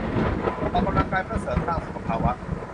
ออกกำลังกายเพื่อเสริมสร้างสุขภาวะ